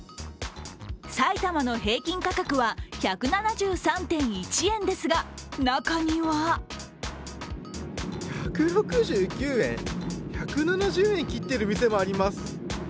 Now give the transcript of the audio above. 埼玉の平均価格は１７３．１円ですが中には１６９円、１７０円切ってる店もあります。